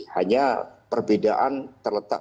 hanya perbedaan terletak